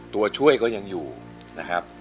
ตัวช่วยก็ยังอยู่นะครับ